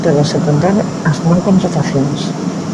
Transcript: Todo, sen contar as non contratacións.